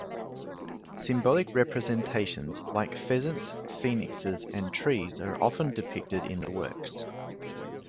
Symbolic representations, like pheasants, phoenixes and trees are often depicted in the works.